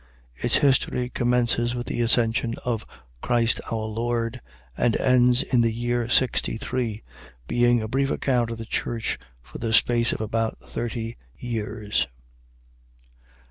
Its history commences from the Ascension of Christ our Lord and ends in the year sixty three, being a brief account of the Church for the space of about thirty years.